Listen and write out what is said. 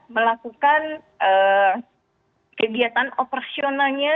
melakukan kegiatan operasionalnya